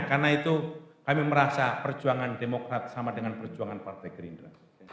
karena itu kami merasa perjuangan demokrat sama dengan perjuangan partai gerindra